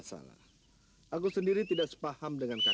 sampai jumpa di video selanjutnya